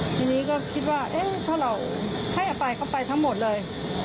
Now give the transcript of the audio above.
ทีนี้ก็คิดว่าเอ๊ะถ้าเราให้อภัยเขาไปทั้งหมดเลย